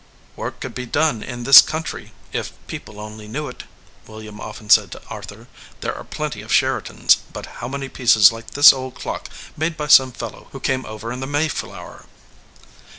"Work could be done in this country, if people only knew it," William often said to Arthur. "There are plenty of Sheratons; but how many pieces like this old clock made by some fellow who came over in the Mayflower?"